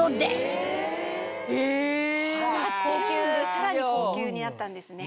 さらに高級になったんですね。